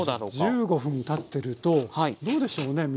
１５分たってるとどうでしょうね